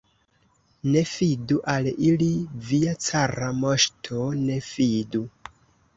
Ne fidu al ili, via cara moŝto, ne fidu!